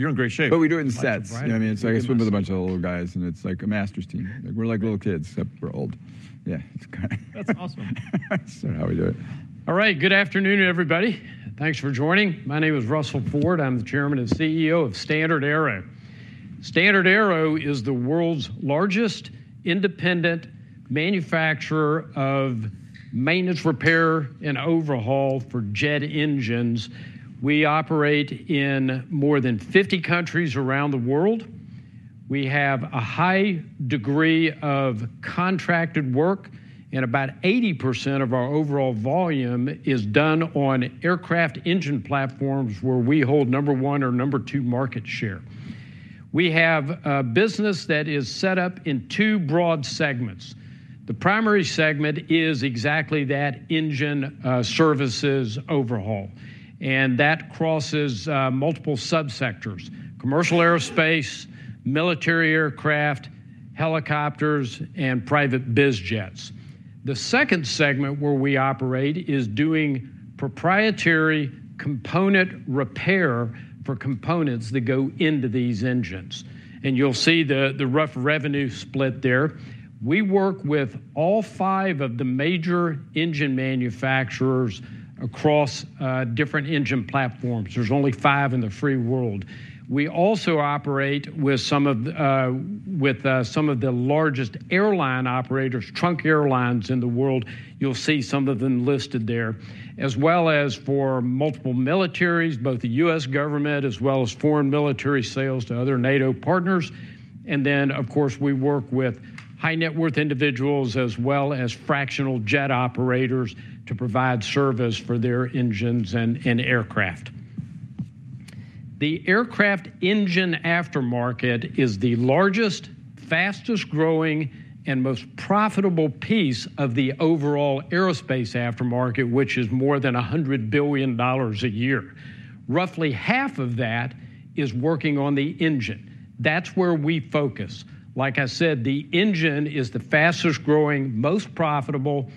You're in great shape. We do it in sets. Right. You know what I mean? I get swimming with a bunch of little guys, and it's like a masters team. We're like little kids, except we're old. Yeah, it's kind of. That's awesome. How are we doing? All right, good afternoon, everybody. Thanks for joining. My name is Russell Ford. I'm the Chairman and CEO of StandardAero. StandardAero is the world's largest independent provider of maintenance, repair, and overhaul for jet engines. We operate in more than 50 countries around the world. We have a high degree of contracted work, and about 80% of our overall volume is done on aircraft engine platforms, where we hold number one or number two market share. We have a business that is set up in two broad segments. The primary segment is exactly that: engine services overhaul. That crosses multiple subsectors: commercial aerospace, military aircraft, helicopters, and private biz jets. The second segment where we operate is doing proprietary component repair for components that go into these engines. You'll see the rough revenue split there. We work with all five of the major engine manufacturers across different engine platforms. There's only five in the free world. We also operate with some of the largest airline operators, trunk airlines in the world. You'll see some of them listed there, as well as for multiple militaries, both the U.S. government as well as foreign military sales to other NATO partners. Of course, we work with high-net-worth individuals as well as fractional jet operators to provide service for their engines and aircraft. The aircraft engine aftermarket is the largest, fastest-growing, and most profitable piece of the overall aerospace aftermarket, which is more than $100 billion a year. Roughly half of that is working on the engine. That's where we focus. Like I said, the engine is the fastest-growing, most profitable.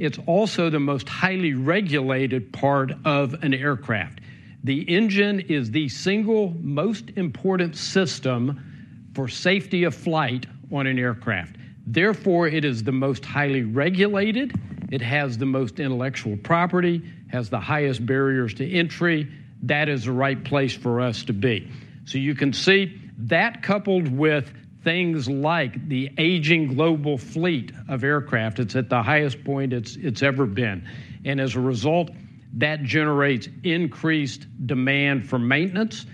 It's also the most highly regulated part of an aircraft. The engine is the single most important system for safety of flight on an aircraft. Therefore, it is the most highly regulated. It has the most intellectual property, has the highest barriers to entry. That is the right place for us to be. You can see that coupled with things like the aging global fleet of aircraft, it is at the highest point it has ever been. As a result, that generates increased demand for maintenance.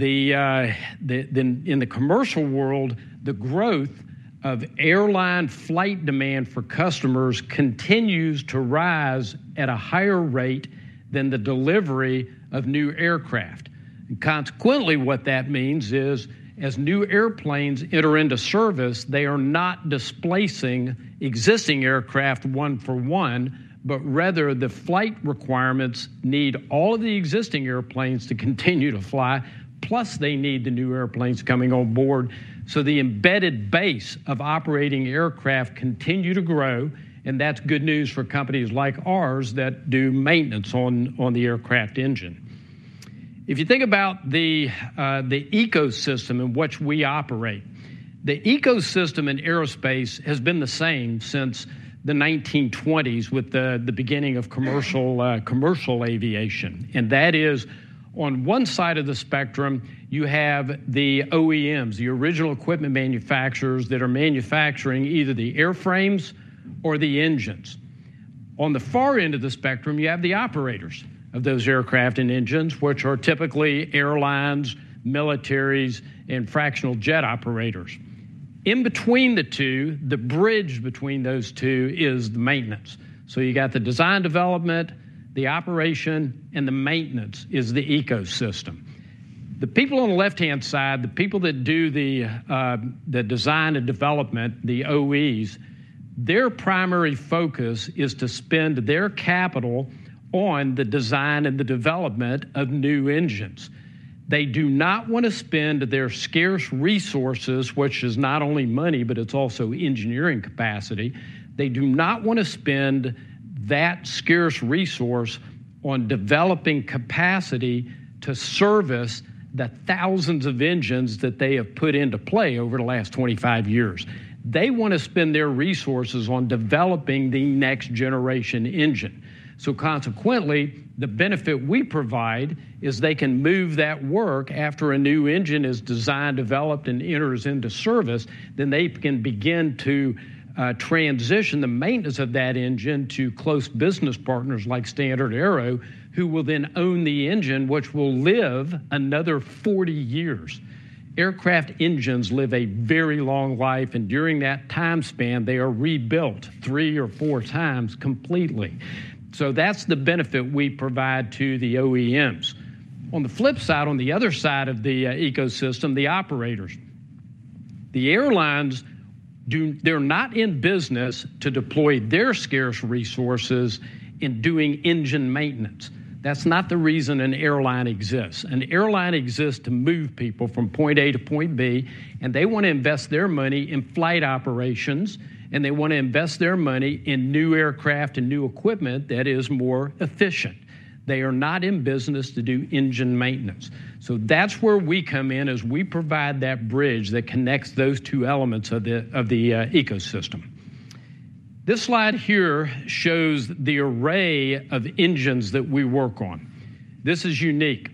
In the commercial world, the growth of airline flight demand for customers continues to rise at a higher rate than the delivery of new aircraft. Consequently, what that means is as new airplanes enter into service, they are not displacing existing aircraft one for one, but rather the flight requirements need all of the existing airplanes to continue to fly, plus they need the new airplanes coming on board. The embedded base of operating aircraft continues to grow, and that's good news for companies like ours that do maintenance on the aircraft engine. If you think about the ecosystem in which we operate, the ecosystem in aerospace has been the same since the 1920s with the beginning of commercial aviation. That is, on one side of the spectrum, you have the OEMs, the original equipment manufacturers that are manufacturing either the airframes or the engines. On the far end of the spectrum, you have the operators of those aircraft and engines, which are typically airlines, militaries, and fractional jet operators. In between the two, the bridge between those two is the maintenance. You have the design development, the operation, and the maintenance is the ecosystem. The people on the left-hand side, the people that do the design and development, the OEs, their primary focus is to spend their capital on the design and the development of new engines. They do not want to spend their scarce resources, which is not only money, but it's also engineering capacity. They do not want to spend that scarce resource on developing capacity to service the thousands of engines that they have put into play over the last 25 years. They want to spend their resources on developing the next-generation engine. Consequently, the benefit we provide is they can move that work after a new engine is designed, developed, and enters into service, then they can begin to transition the maintenance of that engine to close business partners like StandardAero, who will then own the engine, which will live another 40 years. Aircraft engines live a very long life, and during that time span, they are rebuilt three or four times completely. That is the benefit we provide to the OEMs. On the flip side, on the other side of the ecosystem, the operators. The airlines, they are not in business to deploy their scarce resources in doing engine maintenance. That is not the reason an airline exists. An airline exists to move people from point A to point B, and they want to invest their money in flight operations, and they want to invest their money in new aircraft and new equipment that is more efficient. They are not in business to do engine maintenance. That is where we come in as we provide that bridge that connects those two elements of the ecosystem. This slide here shows the array of engines that we work on. This is unique.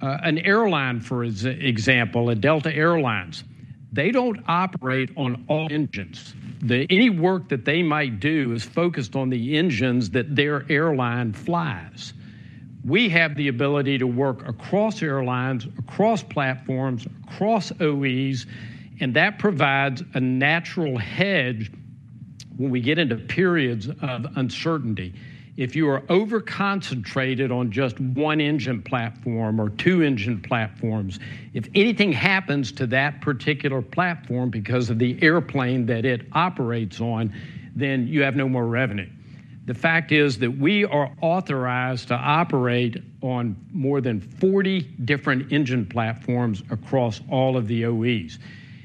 An airline, for example, at Delta Air Lines, they don't operate on all engines. Any work that they might do is focused on the engines that their airline flies. We have the ability to work across airlines, across platforms, across OEs, and that provides a natural hedge when we get into periods of uncertainty. If you are overconcentrated on just one engine platform or two engine platforms, if anything happens to that particular platform because of the airplane that it operates on, then you have no more revenue. The fact is that we are authorized to operate on more than 40 different engine platforms across all of the OEs.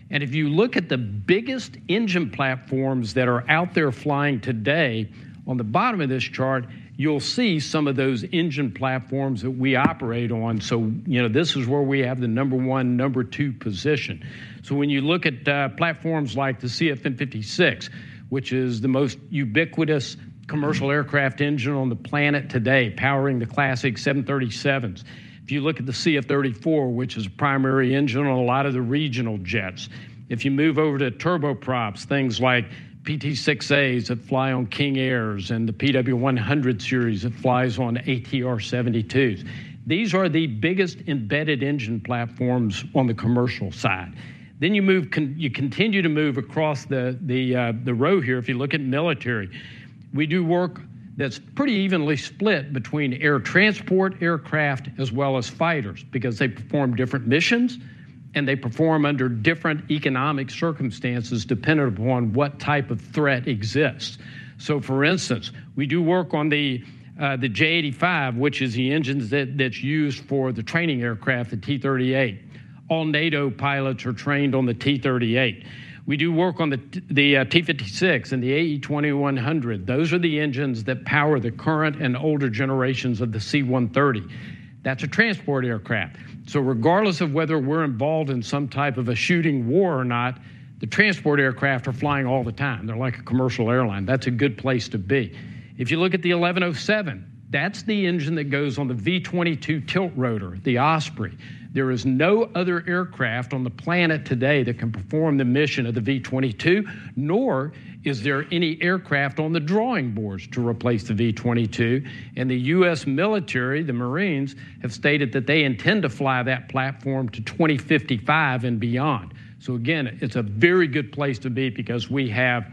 If you look at the biggest engine platforms that are out there flying today, on the bottom of this chart, you'll see some of those engine platforms that we operate on. This is where we have the number one, number two position. When you look at platforms like the CFM56, which is the most ubiquitous commercial aircraft engine on the planet today, powering the classic 737s. If you look at the CF34, which is a primary engine on a lot of the regional jets. If you move over to turboprops, things like PT6As that fly on King Airs and the PW100 series that flies on ATR-72s. These are the biggest embedded engine platforms on the commercial side. You continue to move across the row here. If you look at military, we do work that's pretty evenly split between air transport aircraft, as well as fighters because they perform different missions, and they perform under different economic circumstances dependent upon what type of threat exists. For instance, we do work on the J85, which is the engine that's used for the training aircraft, the T-38. All NATO pilots are trained on the T-38. We do work on the T56 and the AE 2100. Those are the engines that power the current and older generations of the C-130. That's a transport aircraft. Regardless of whether we're involved in some type of a shooting war or not, the transport aircraft are flying all the time. They're like a commercial airline. That's a good place to be. If you look at the 1107, that's the engine that goes on the V-22 tiltrotor, the Osprey. There is no other aircraft on the planet today that can perform the mission of the V-22, nor is there any aircraft on the drawing boards to replace the V-22. The US Military, the Marines, have stated that they intend to fly that platform to 2055 and beyond. Again, it's a very good place to be because we have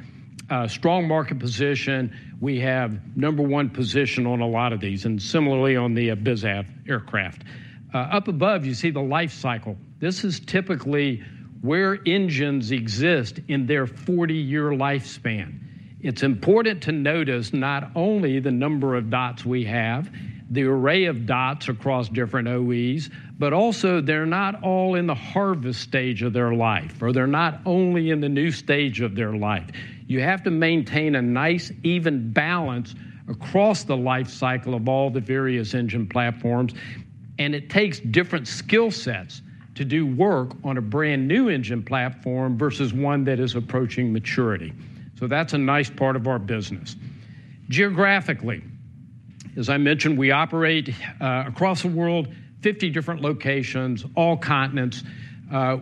a strong market position. We have number one position on a lot of these, and similarly on the biz app aircraft. Up above, you see the life cycle. This is typically where engines exist in their 40-year lifespan. It's important to notice not only the number of dots we have, the array of dots across different OEs, but also they're not all in the harvest stage of their life, or they're not only in the new stage of their life. You have to maintain a nice, even balance across the life cycle of all the various engine platforms, and it takes different skill sets to do work on a brand new engine platform versus one that is approaching maturity. That's a nice part of our business. Geographically, as I mentioned, we operate across the world, 50 different locations, all continents.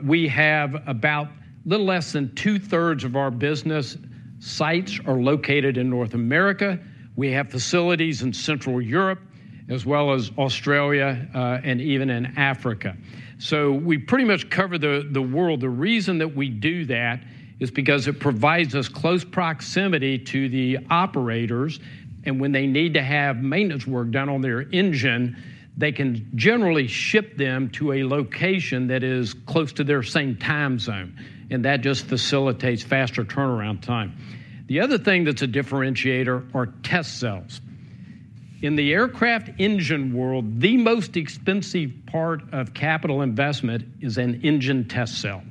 We have about a little less than two-thirds of our business sites located in North America. We have facilities in Central Europe, as well as Australia and even in Africa. We pretty much cover the world. The reason that we do that is because it provides us close proximity to the operators, and when they need to have maintenance work done on their engine, they can generally ship them to a location that is close to their same time zone, and that just facilitates faster turnaround time. The other thing that's a differentiator are test cells. In the aircraft engine world, the most expensive part of capital investment is an engine test cell.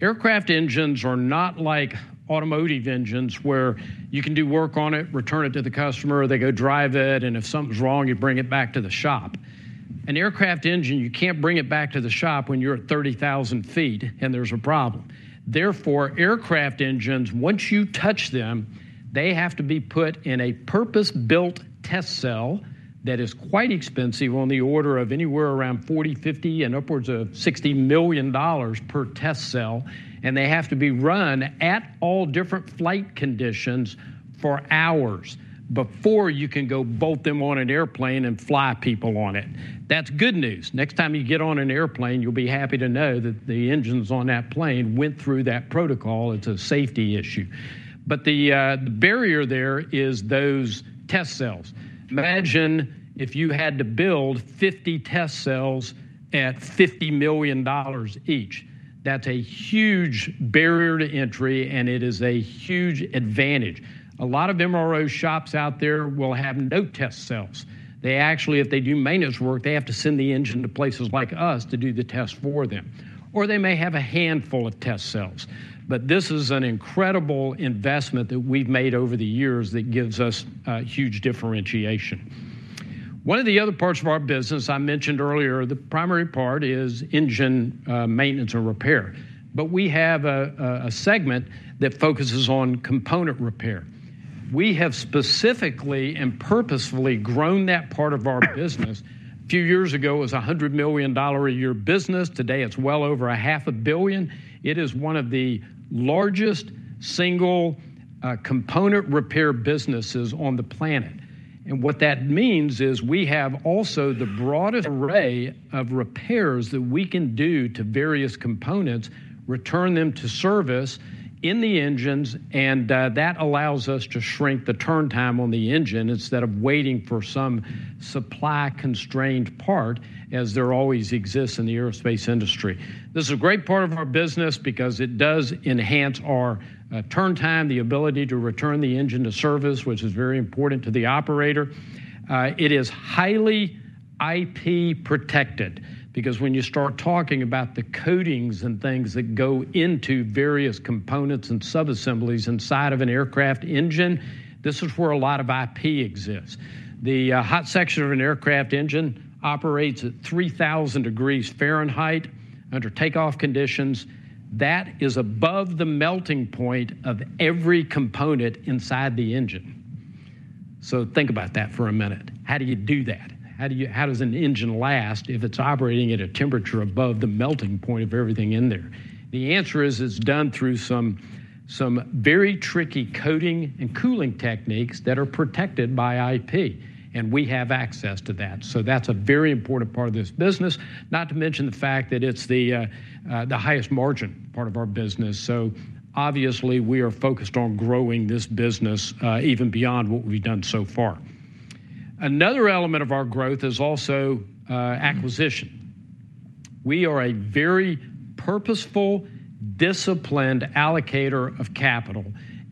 Aircraft engines are not like automotive engines where you can do work on it, return it to the customer, they go drive it, and if something's wrong, you bring it back to the shop. An aircraft engine, you can't bring it back to the shop when you're at 30,000 feet and there's a problem. Therefore, aircraft engines, once you touch them, they have to be put in a purpose-built test cell that is quite expensive, on the order of anywhere around $40 million, $50 million, and upwards of $60 million per test cell, and they have to be run at all different flight conditions for hours before you can go bolt them on an airplane and fly people on it. That's good news. Next time you get on an airplane, you'll be happy to know that the engines on that plane went through that protocol. It's a safety issue. The barrier there is those test cells. Imagine if you had to build 50 test cells at $50 million each. That's a huge barrier to entry, and it is a huge advantage. A lot of MRO shops out there will have no test cells. They actually, if they do maintenance work, have to send the engine to places like us to do the test for them, or they may have a handful of test cells. This is an incredible investment that we've made over the years that gives us huge differentiation. One of the other parts of our business I mentioned earlier, the primary part is engine maintenance and repair, but we have a segment that focuses on component repair. We have specifically and purposefully grown that part of our business. A few years ago, it was a $100 million a year business. Today, it is well over $500 billion. It is one of the largest single component repair businesses on the planet. What that means is we have also the broadest array of repairs that we can do to various components, return them to service in the engines, and that allows us to shrink the turn time on the engine instead of waiting for some supply-constrained part, as there always exists in the aerospace industry. This is a great part of our business because it does enhance our turn time, the ability to return the engine to service, which is very important to the operator. It is highly IP protected because when you start talking about the coatings and things that go into various components and subassemblies inside of an aircraft engine, this is where a lot of IP exists. The hot section of an aircraft engine operates at 3,000 degrees Fahrenheit under takeoff conditions. That is above the melting point of every component inside the engine. Think about that for a minute. How do you do that? How does an engine last if it's operating at a temperature above the melting point of everything in there? The answer is it's done through some very tricky coating and cooling techniques that are protected by IP, and we have access to that. That is a very important part of this business, not to mention the fact that it's the highest margin part of our business. Obviously, we are focused on growing this business even beyond what we've done so far. Another element of our growth is also acquisition. We are a very purposeful, disciplined allocator of capital,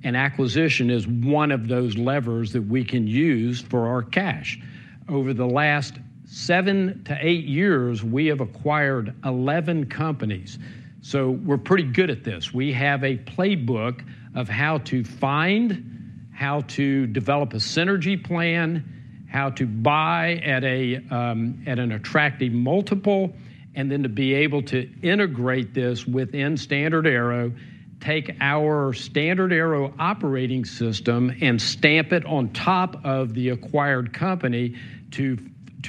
and acquisition is one of those levers that we can use for our cash. Over the last seven to eight years, we have acquired 11 companies. So we're pretty good at this. We have a playbook of how to find, how to develop a synergy plan, how to buy at an attractive multiple, and then to be able to integrate this within StandardAero, take our StandardAero operating system and stamp it on top of the acquired company to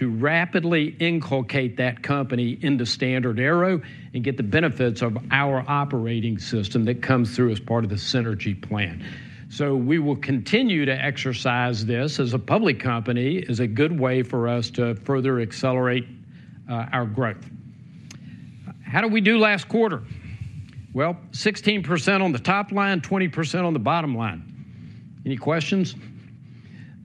rapidly inculcate that company into StandardAero and get the benefits of our operating system that comes through as part of the synergy plan. We will continue to exercise this as a public company as a good way for us to further accelerate our growth. How did we do last quarter? Sixteen percent on the top line, 20% on the bottom line. Any questions?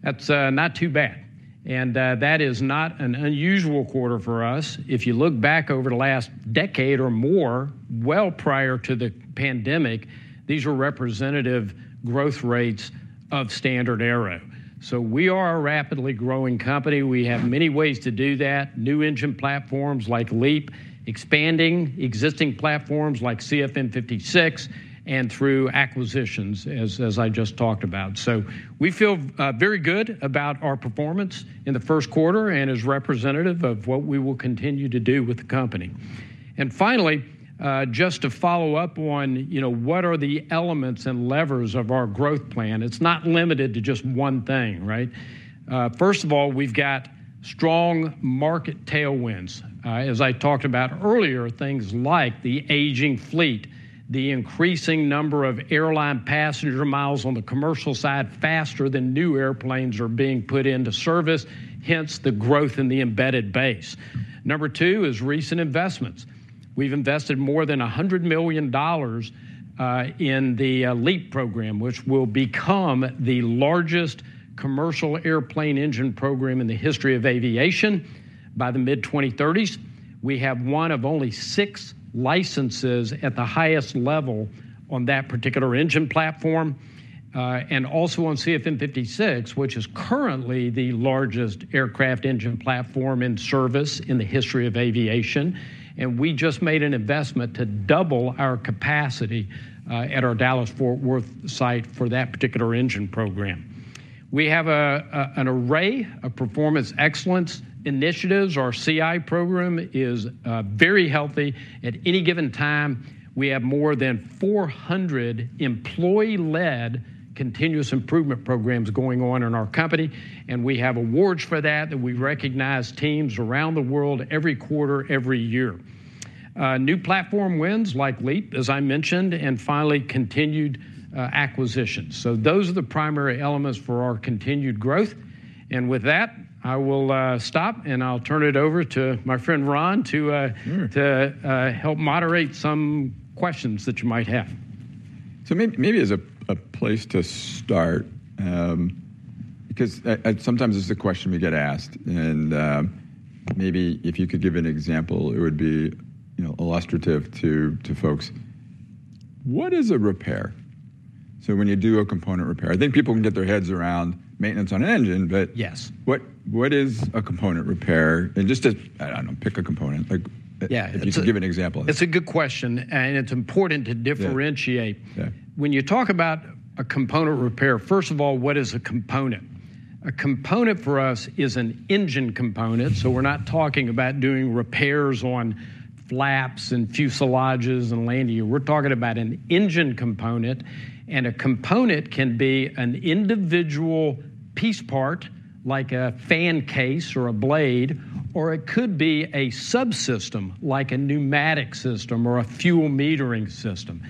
That is not too bad. That is not an unusual quarter for us. If you look back over the last decade or more, well prior to the pandemic, these were representative growth rates of StandardAero. We are a rapidly growing company. We have many ways to do that, new engine platforms like LEAP, expanding existing platforms like CFM56, and through acquisitions, as I just talked about. We feel very good about our performance in the first quarter and it is representative of what we will continue to do with the company. Finally, just to follow up on what are the elements and levers of our growth plan, it is not limited to just one thing, right? First of all, we have got strong market tailwinds. As I talked about earlier, things like the aging fleet, the increasing number of airline passenger miles on the commercial side faster than new airplanes are being put into service, hence the growth in the embedded base. Number two is recent investments. We've invested more than $100 million in the LEAP program, which will become the largest commercial airplane engine program in the history of aviation by the mid-2030s. We have one of only six licenses at the highest level on that particular engine platform, and also on CFM56, which is currently the largest aircraft engine platform in service in the history of aviation. We just made an investment to double our capacity at our Dallas-Fort Worth site for that particular engine program. We have an array of performance excellence initiatives. Our CI program is very healthy. At any given time, we have more than 400 employee-led continuous improvement programs going on in our company, and we have awards for that that we recognize teams around the world every quarter, every year. New platform wins like LEAP, as I mentioned, and finally continued acquisitions. Those are the primary elements for our continued growth. With that, I will stop, and I'll turn it over to my friend Ron to help moderate some questions that you might have. Maybe as a place to start, because sometimes it's a question we get asked, and maybe if you could give an example, it would be illustrative to folks. What is a repair? When you do a component repair, I think people can get their heads around maintenance on an engine, but what is a component repair? Just to, I don't know, pick a component. If you could give an example. It's a good question, and it's important to differentiate. When you talk about a component repair, first of all, what is a component? A component for us is an engine component, so we're not talking about doing repairs on flaps and fuselages and landing. We're talking about an engine component, and a component can be an individual piece part, like a fan case or a blade, or it could be a subsystem, like a pneumatic system or a fuel metering system.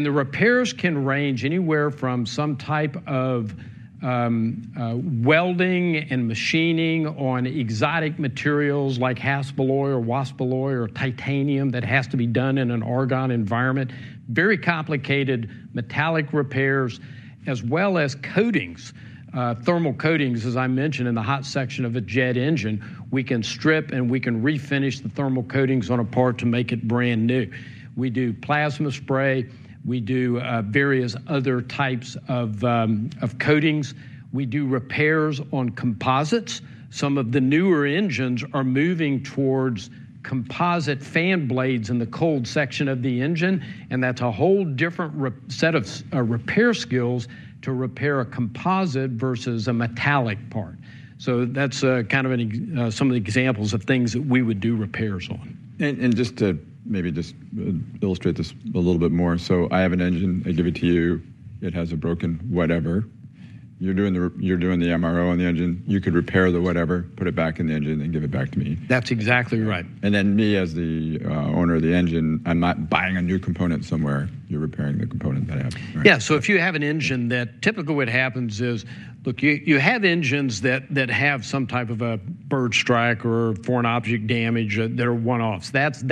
The repairs can range anywhere from some type of welding and machining on exotic materials like Hastelloy or Waspaloy or titanium that has to be done in an argon environment, very complicated metallic repairs, as well as coatings, thermal coatings, as I mentioned, in the hot section of a jet engine. We can strip and we can refinish the thermal coatings on a part to make it brand new. We do plasma spray. We do various other types of coatings. We do repairs on composites. Some of the newer engines are moving towards composite fan blades in the cold section of the engine, and that's a whole different set of repair skills to repair a composite versus a metallic part. That's kind of some of the examples of things that we would do repairs on. Just to maybe just illustrate this a little bit more, I have an engine, I give it to you, it has a broken whatever. You're doing the MRO on the engine. You could repair the whatever, put it back in the engine, and give it back to me. That's exactly right. Me, as the owner of the engine, I'm not buying a new component somewhere. You're repairing the component that I have. If you have an engine, typically what happens is, look, you have engines that have some type of a bird strike or foreign object damage that are one-offs. That's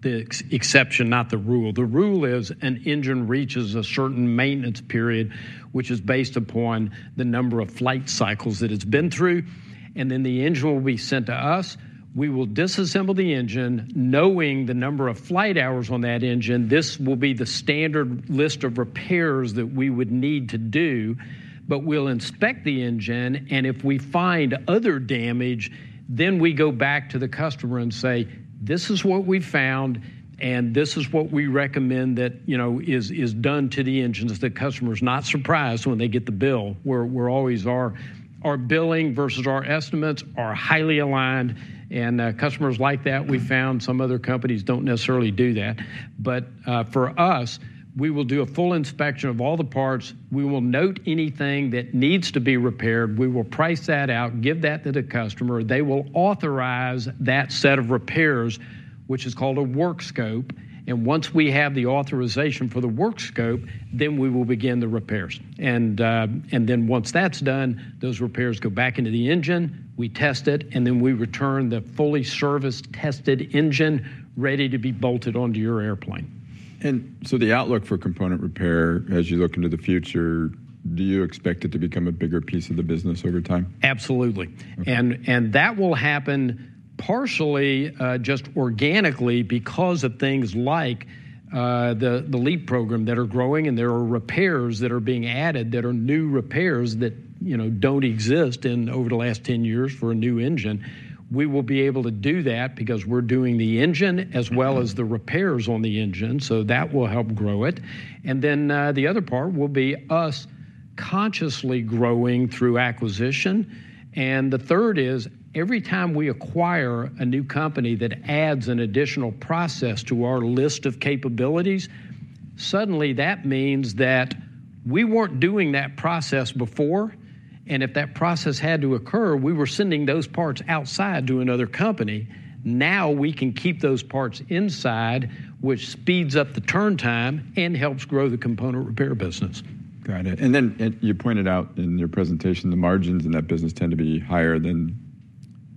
the exception, not the rule. The rule is an engine reaches a certain maintenance period, which is based upon the number of flight cycles that it's been through, and then the engine will be sent to us. We will disassemble the engine, knowing the number of flight hours on that engine. This will be the standard list of repairs that we would need to do, but we'll inspect the engine, and if we find other damage, we go back to the customer and say, "This is what we found, and this is what we recommend that is done to the engine." The customer is not surprised when they get the bill. Our billing versus our estimates are highly aligned, and customers like that. We found some other companies do not necessarily do that. For us, we will do a full inspection of all the parts. We will note anything that needs to be repaired. We will price that out, give that to the customer. They will authorize that set of repairs, which is called a work scope. Once we have the authorization for the work scope, we will begin the repairs. Once that's done, those repairs go back into the engine. We test it, and we return the fully serviced, tested engine ready to be bolted onto your airplane. The outlook for component repair, as you look into the future, do you expect it to become a bigger piece of the business over time? Absolutely. That will happen partially just organically because of things like the LEAP program that are growing, and there are repairs that are being added that are new repairs that did not exist over the last 10 years for a new engine. We will be able to do that because we're doing the engine as well as the repairs on the engine, so that will help grow it. The other part will be us consciously growing through acquisition. The third is every time we acquire a new company that adds an additional process to our list of capabilities, suddenly that means that we were not doing that process before, and if that process had to occur, we were sending those parts outside to another company. Now we can keep those parts inside, which speeds up the turn time and helps grow the component repair business. Got it. You pointed out in your presentation the margins in that business tend to be higher than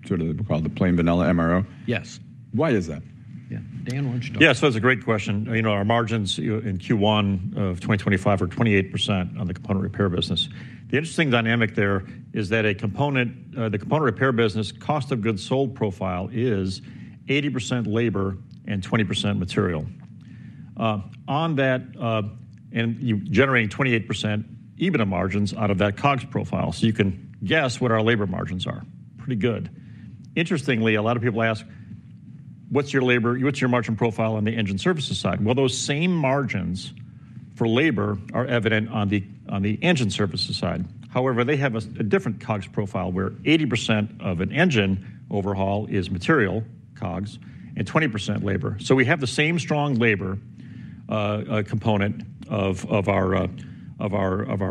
sort of what we call the plain vanilla MRO. Yes. Why is that? Yeah, Dan wants to talk. Yeah, it is a great question. Our margins in Q1 of 2025 are 28% on the component repair business. The interesting dynamic there is that the component repair business cost of goods sold profile is 80% labor and 20% material. You're generating 28% EBITDA margins out of that COGS profile, so you can guess what our labor margins are. Pretty good. Interestingly, a lot of people ask, "What's your margin profile on the engine services side?" Those same margins for labor are evident on the engine services side. However, they have a different COGS profile where 80% of an engine overhaul is material, COGS, and 20% labor. We have the same strong labor component of our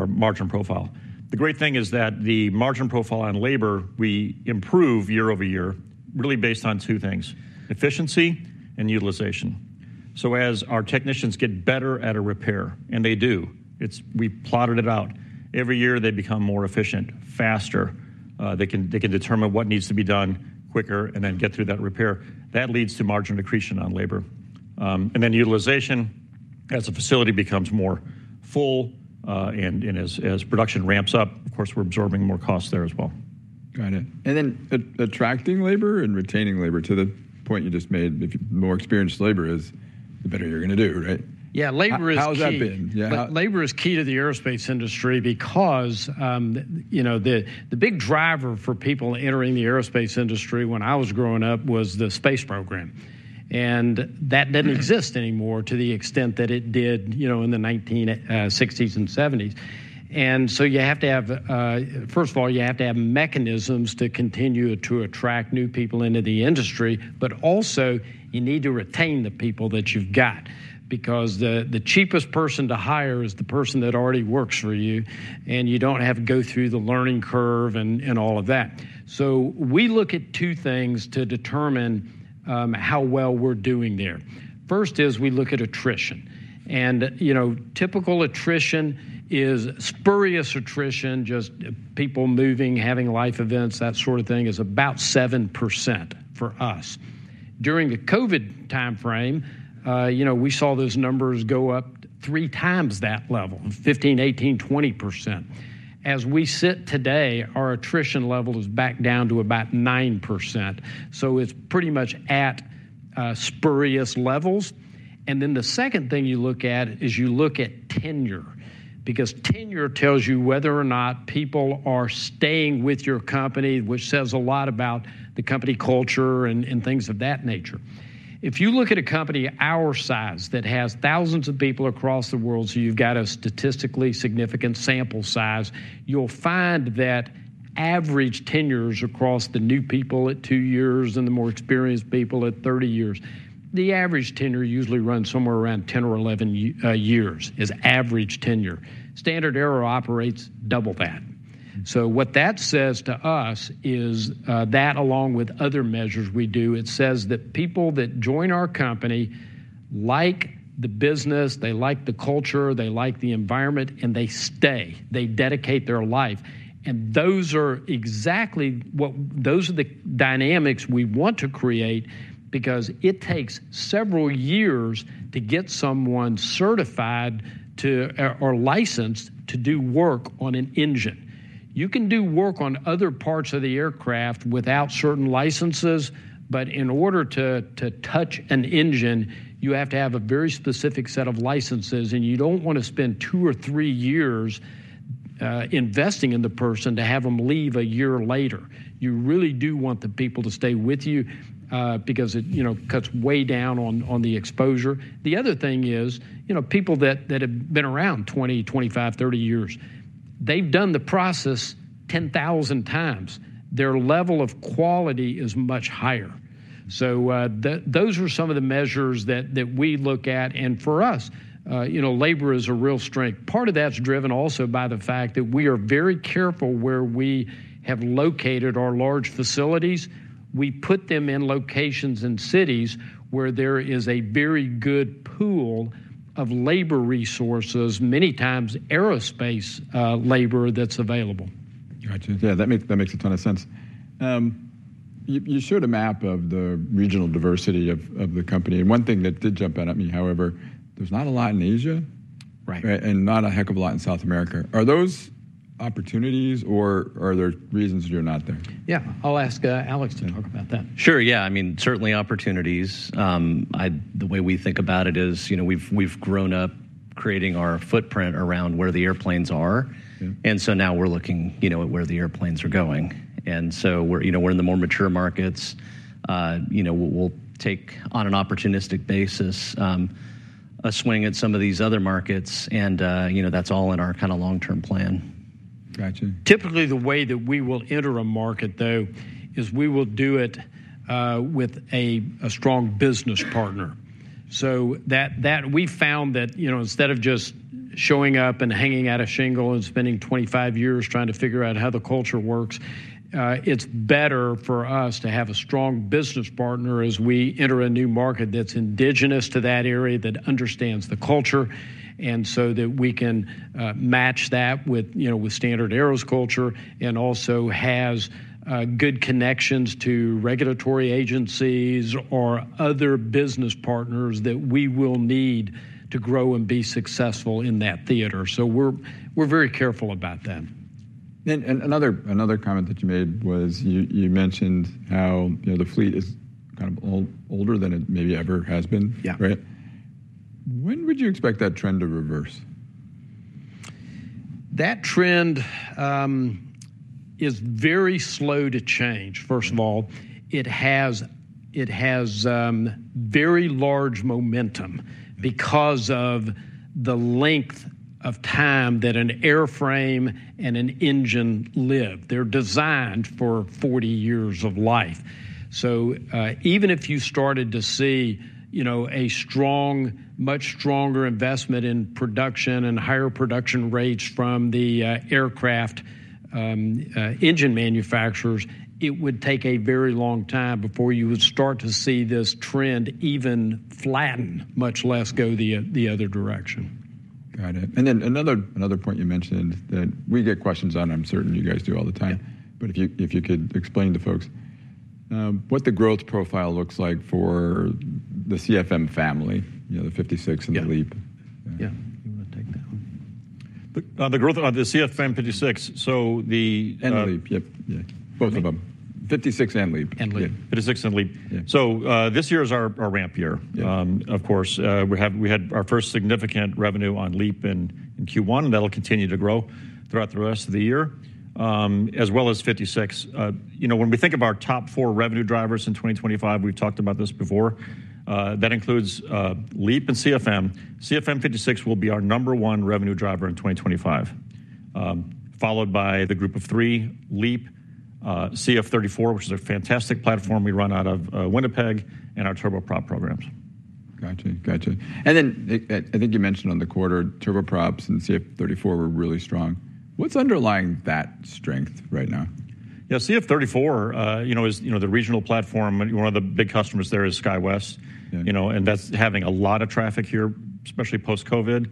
margin profile. The great thing is that the margin profile on labor, we improve year over year, really based on two things: efficiency and utilization. As our technicians get better at a repair, and they do, we plotted it out. Every year they become more efficient, faster. They can determine what needs to be done quicker and then get through that repair. That leads to margin accretion on labor. Utilization, as a facility becomes more full and as production ramps up, of course, we're absorbing more costs there as well. Got it. Attracting labor and retaining labor, to the point you just made, if you're more experienced labor, the better you're going to do, right? Yeah, labor is key. How has that been? Yeah. Labor is key to the aerospace industry because the big driver for people entering the aerospace industry when I was growing up was the space program. That did not exist anymore to the extent that it did in the 1960s and 1970s. You have to have, first of all, you have to have mechanisms to continue to attract new people into the industry, but also you need to retain the people that you've got because the cheapest person to hire is the person that already works for you, and you do not have to go through the learning curve and all of that. We look at two things to determine how well we're doing there. First is we look at attrition. Typical attrition is spurious attrition, just people moving, having life events, that sort of thing is about 7% for us. During the COVID timeframe, we saw those numbers go up three times that level, 15%-18%-20%. As we sit today, our attrition level is back down to about 9%. It is pretty much at spurious levels. The second thing you look at is you look at tenure because tenure tells you whether or not people are staying with your company, which says a lot about the company culture and things of that nature. If you look at a company our size that has thousands of people across the world, so you've got a statistically significant sample size, you'll find that average tenures across the new people at two years and the more experienced people at 30 years, the average tenure usually runs somewhere around 10 or 11 years is average tenure. StandardAero operates double that. What that says to us is that along with other measures we do, it says that people that join our company like the business, they like the culture, they like the environment, and they stay. They dedicate their life. Those are exactly what those are the dynamics we want to create because it takes several years to get someone certified or licensed to do work on an engine. You can do work on other parts of the aircraft without certain licenses, but in order to touch an engine, you have to have a very specific set of licenses, and you do not want to spend two or three years investing in the person to have them leave a year later. You really do want the people to stay with you because it cuts way down on the exposure. The other thing is people that have been around 20, 25, 30 years, they have done the process 10,000 times. Their level of quality is much higher. Those are some of the measures that we look at. For us, labor is a real strength. Part of that's driven also by the fact that we are very careful where we have located our large facilities. We put them in locations and cities where there is a very good pool of labor resources, many times aerospace labor that's available. Gotcha. Yeah, that makes a ton of sense. You showed a map of the regional diversity of the company. One thing that did jump out at me, however, there's not a lot in Asia and not a heck of a lot in South America. Are those opportunities, or are there reasons you're not there? Yeah, I'll ask Alex to talk about that. Sure. Yeah, I mean, certainly opportunities. The way we think about it is we've grown up creating our footprint around where the airplanes are, and now we're looking at where the airplanes are going. We are in the more mature markets. We'll take on an opportunistic basis a swing at some of these other markets, and that's all in our kind of long-term plan. Gotcha. Typically, the way that we will enter a market, though, is we will do it with a strong business partner. We found that instead of just showing up and hanging out a shingle and spending 25 years trying to figure out how the culture works, it's better for us to have a strong business partner as we enter a new market that's indigenous to that area, that understands the culture, and so that we can match that with StandardAero's culture and also has good connections to regulatory agencies or other business partners that we will need to grow and be successful in that theater. We're very careful about that. Another comment that you made was you mentioned how the fleet is kind of older than it maybe ever has been, right? When would you expect that trend to reverse? That trend is very slow to change. First of all, it has very large momentum because of the length of time that an airframe and an engine live. They're designed for 40 years of life. Even if you started to see a strong, much stronger investment in production and higher production rates from the aircraft engine manufacturers, it would take a very long time before you would start to see this trend even flatten, much less go the other direction. Got it. Another point you mentioned that we get questions on, I'm certain you guys do all the time, but if you could explain to folks what the growth profile looks like for the CFM family, the 56 and the LEAP. Yeah, you want to take that one. The growth of the CFM56, so the LEAP, yep, yeah, both of them. Fifty-six and LEAP. And LEAP. Fifty-six and LEAP. This year is our ramp year, of course. We had our first significant revenue on LEAP in Q1, and that'll continue to grow throughout the rest of the year, as well as 56. When we think of our top four revenue drivers in 2025, we've talked about this before. That includes LEAP and CFM. CFM56 will be our number one revenue driver in 2025, followed by the Group of Three, LEAP, CF34, which is a fantastic platform we run out of Winnipeg, and our Turboprop programs. Gotcha. Gotcha. I think you mentioned on the quarter, Turboprops and CF34 were really strong. What's underlying that strength right now? Yeah, CF34 is the regional platform. One of the big customers there is SkyWest, and that's having a lot of traffic here, especially post-COVID.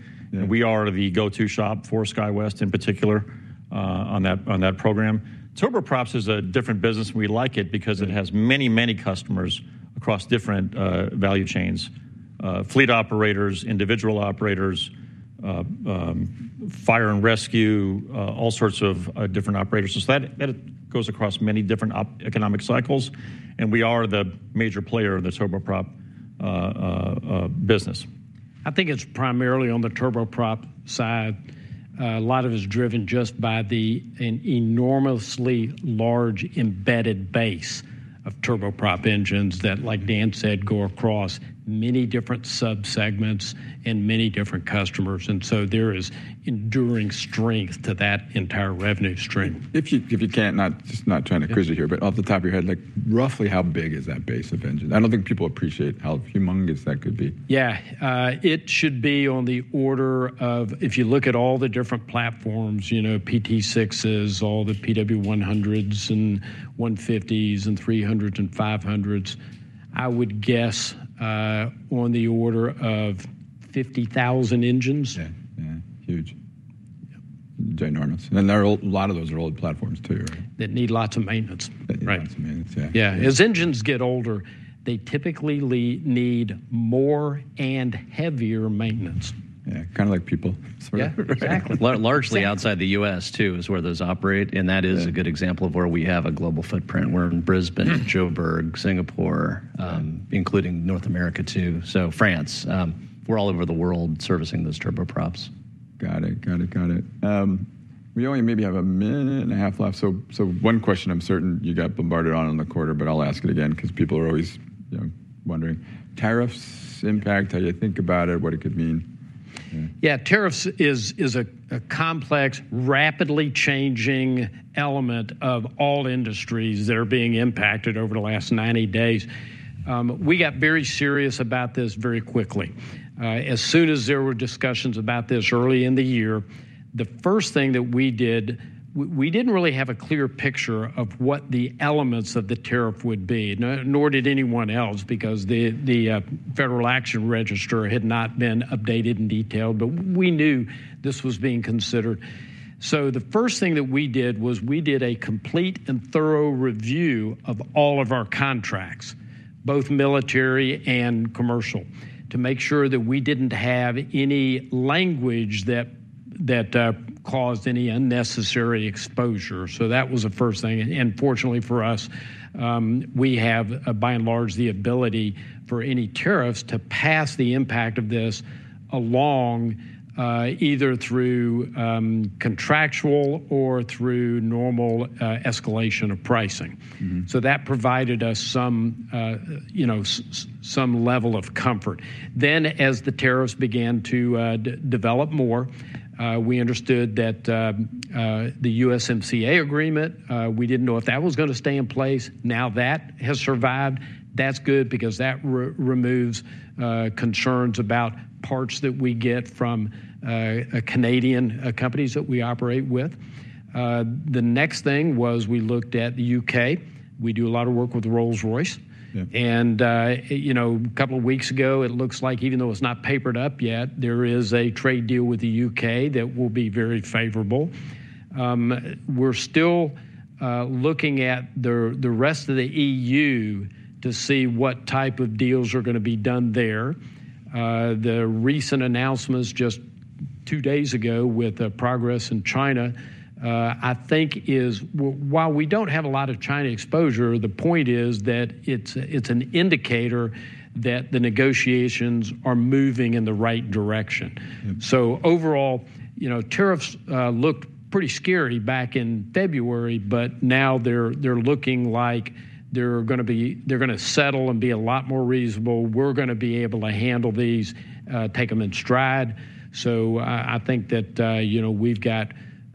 We are the go-to shop for SkyWest in particular on that program. Turboprops is a different business. We like it because it has many, many customers across different value chains: fleet operators, individual operators, fire and rescue, all sorts of different operators. That goes across many different economic cycles. We are the major player in the Turboprop business. I think it's primarily on the Turboprop side. A lot of it is driven just by the enormously large embedded base of turboprop engines that, like Dan said, go across many different subsegments and many different customers. There is enduring strength to that entire revenue stream. If you can, not trying to accrue you here, but off the top of your head, roughly how big is that base of engines? I do not think people appreciate how humongous that could be. Yeah, it should be on the order of, if you look at all the different platforms, PT6s, all the PW100s and 150s and 300s and 500s, I would guess on the order of 50,000 engines. Yeah, yeah, huge. Ginormous. A lot of those are old platforms too, right? That need lots of maintenance. Right. Yeah. As engines get older, they typically need more and heavier maintenance. Yeah, kind of like people. Yeah, exactly. Largely outside the U.S. too is where those operate. That is a good example of where we have a global footprint. We are in Brisbane, Jo'burg, Singapore, including North America too. France. We are all over the world servicing those turboprops. Got it. We only maybe have a minute and a half left. One question I am certain you got bombarded on in the quarter, but I will ask it again because people are always wondering. Tariffs impact, how you think about it, what it could mean. Yeah, tariffs is a complex, rapidly changing element of all industries that are being impacted over the last 90 days. We got very serious about this very quickly. As soon as there were discussions about this early in the year, the first thing that we did, we did not really have a clear picture of what the elements of the tariff would be, nor did anyone else because the Federal Action Register had not been updated and detailed, but we knew this was being considered. The first thing that we did was we did a complete and thorough review of all of our contracts, both military and commercial, to make sure that we did not have any language that caused any unnecessary exposure. That was the first thing. Fortunately for us, we have by and large the ability for any tariffs to pass the impact of this along either through contractual or through normal escalation of pricing. That provided us some level of comfort. As the tariffs began to develop more, we understood that the USMCA agreement, we did not know if that was going to stay in place. Now that has survived. That is good because that removes concerns about parts that we get from Canadian companies that we operate with. The next thing was we looked at the U.K. We do a lot of work with Rolls-Royce. A couple of weeks ago, it looks like even though it is not papered up yet, there is a trade deal with the U.K. that will be very favorable. We are still looking at the rest of the EU to see what type of deals are going to be done there. The recent announcements just two days ago with progress in China, I think is while we do not have a lot of China exposure, the point is that it is an indicator that the negotiations are moving in the right direction. Overall, tariffs looked pretty scary back in February, but now they are looking like they are going to settle and be a lot more reasonable. We are going to be able to handle these, take them in stride. I think that we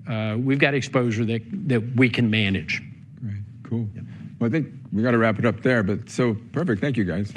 have got exposure that we can manage. Right. Cool. I think we got to wrap it up there, but so perfect. Thank you, guys.